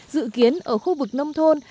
dự kiến ở khu vực nông thôn